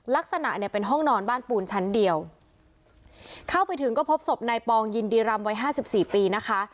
ลักษณะเนี่ยเป็นห้องนอนบ้านปูนชั้นเดียวเข้าไปถึงก็พบศพนายปองยินดีรำวัยห้าสิบสี่ปีนะคะ